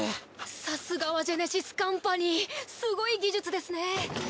さすがはジェネシスカンパニーすごい技術ですね。